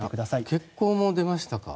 欠航も出ましたか？